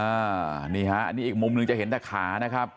อันนี้ฮะอันนี้อีกมุมหนึ่งจะเห็นแต่ขานะครับ